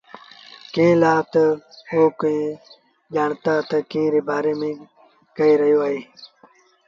ڪݩهݩ لآ تا اوٚ ڪون ڄآڻتآ تا اوٚ ڪݩهݩ ري بآري ميݩ ڪهي رهيو اهي۔